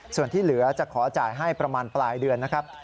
ส่วนที่เหลือจะขอจ่ายให้ประมาณปลายเดือนนะครับ